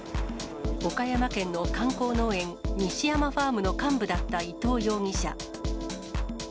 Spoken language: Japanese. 岡山県の観光農園、西山ファームの幹部だった伊藤容疑者。